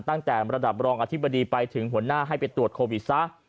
ตั้งแต่ระดับรองอธิบดีไปถึงหัวหน้าให้ไปตรวจโควิดซะ